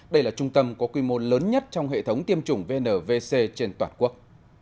đây là trung tâm có quy mô lớn nhất trong hệ thống tiêm chủng vnvc trên toàn quốc